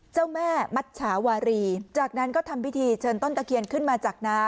เจ้าแม่มัชชาวารีจากนั้นก็ทำพิธีเชิญต้นตะเคียนขึ้นมาจากน้ำ